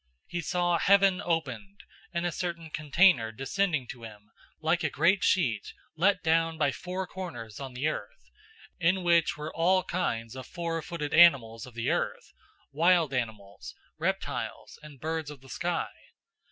010:011 He saw heaven opened and a certain container descending to him, like a great sheet let down by four corners on the earth, 010:012 in which were all kinds of four footed animals of the earth, wild animals, reptiles, and birds of the sky.